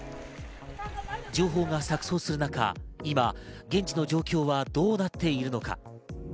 情報が錯綜する中、今、現地の状況はどうなっているのか。